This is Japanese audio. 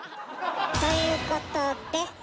ということでえ